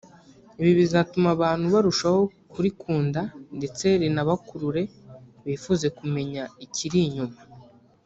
ibi bizatuma abantu barushaho kurikunda ndetse rinabakurure bifuze kumenya ikiri inyuma